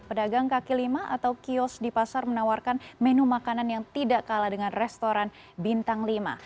pedagang kaki lima atau kios di pasar menawarkan menu makanan yang tidak kalah dengan restoran bintang lima